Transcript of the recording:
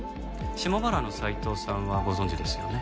下原の斉藤さんはご存じですよね？